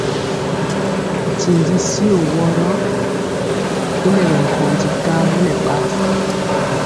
Ntindi tyio woro y ŋɛ bɛ nkóndi kamɔ nɛ ba.